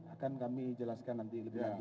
akan kami jelaskan nanti